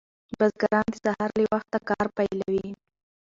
بزګران د سهار له وخته کار پیلوي.